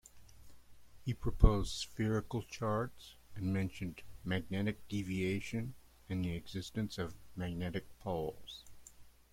He proposed spherical charts and mentioned magnetic deviation and the existence of magnetic poles.